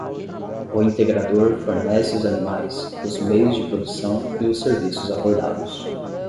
O integrador fornece os animais, os meios de produção e os serviços acordados.